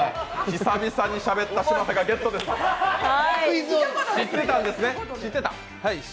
久々にしゃべった嶋佐がゲットです。